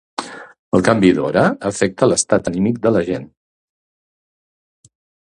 El canvi d'hora afecta l'estat anímic de la gent.